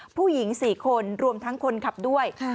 ผู้หญิง๔คนรวมทั้งคนขับด้วย